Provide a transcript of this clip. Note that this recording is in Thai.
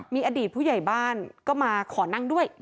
มีอดีตผู้ใหญ่บ้านก็มาขอนั่งด้วย